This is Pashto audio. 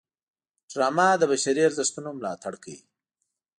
ډرامه د بشري ارزښتونو ملاتړ کوي